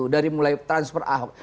dari mulai transfer ahok